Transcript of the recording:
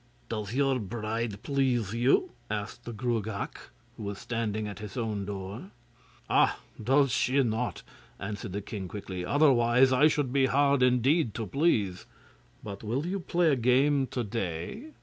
'Does your bride please you?' asked the Gruagach, who was standing at his own door. 'Ah! does she not!' answered the king quickly. 'Otherwise I should be hard indeed to please. But will you play a game to day?